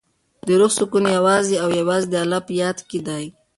د روح سکون یوازې او یوازې د الله په یاد کې دی.